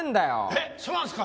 えっそうなんですか？